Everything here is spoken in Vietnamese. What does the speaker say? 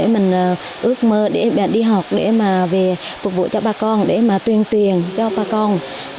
mình ước mơ để đi học để về phục vụ cho ba con để tuyên truyền cho ba con